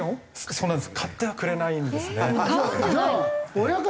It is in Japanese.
そうなんです。